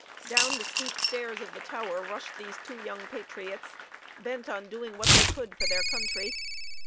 Down the steep stairs of the tower rushed these two young patriots, bent on doing what they could for their country.